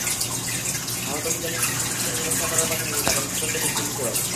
আহত মিজানের সুচিকিৎসার ব্যবস্থা করার পাশাপাশি তাঁকে নিঃশর্ত মুক্তি দিতে হবে।